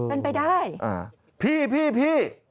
เป็นไปได้อ่าพี่พี่